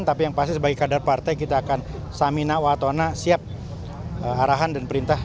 tapi yang pasti sebagai kader partai kita akan samina watona siap arahan dan perintah